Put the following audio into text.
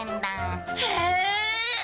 へえ！